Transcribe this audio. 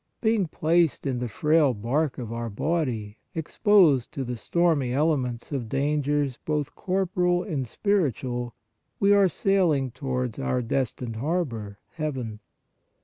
Being placed in the frail bark of our body exposed to the stormy elements of dangers both corporal and spiritual, we are sail ing towards our destined harbor, heaven.